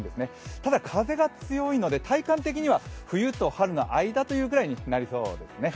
ただ風が強いので体感的には冬と春の間くらいになりそうですね。